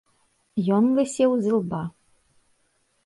Ён лысеў з ілба.